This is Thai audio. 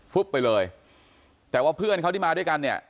ไปเลยแต่ว่าเพื่อนเขาที่มาด้วยกันเนี่ย